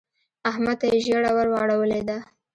احمد ته يې ژیړه ور واړولې ده.